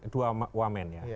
dua wamen ya